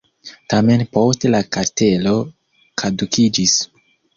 Tamen poste la kastelo kadukiĝis.